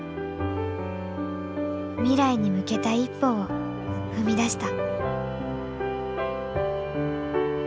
未来に向けた一歩を踏み出した。